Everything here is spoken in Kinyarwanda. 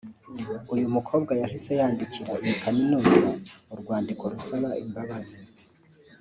uyu mukobwa yahise yandikira iyi Kaminuza urwandiko rusaba imbabazi